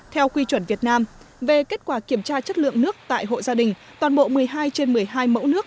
theo quy chuẩn việt nam về kết quả kiểm tra chất lượng nước tại hộ gia đình toàn bộ một mươi hai trên một mươi hai mẫu nước